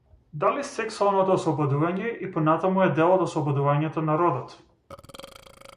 Дали сексуалното ослободување и понатаму е дел од ослободувањето на родот?